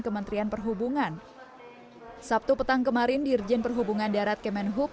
kementerian perhubungan sabtu petang kemarin dirjen perhubungan darat kemenhub